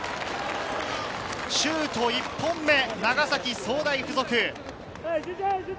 シュート１本目、長崎総大附属。